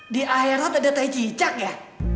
di akhirat ada tai cicak ya